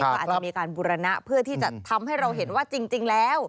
ก็อาจจะมีการบุรณะเพื่อที่จะทำให้เราเห็นว่าจริงแล้ว